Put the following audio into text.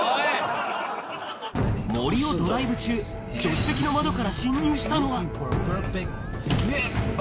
森をドライブ中、助手席の窓から進入したのは。